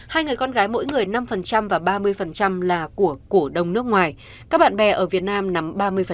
hai người con gái mỗi người năm và ba mươi là của cổ đông nước ngoài các bạn bè ở việt nam nắm ba mươi